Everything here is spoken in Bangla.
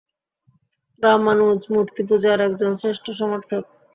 রামানুজ মূর্তিপূজার একজন শ্রেষ্ঠ সমর্থক।